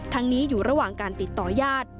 นี้อยู่ระหว่างการติดต่อญาติ